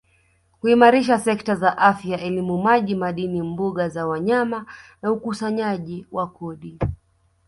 kuimarisha sekta za Afya elimu maji madini mbuga za wanyama na ukusanyaji wa kodi